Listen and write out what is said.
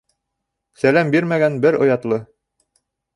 Сәләм бирмәгән бер оятлы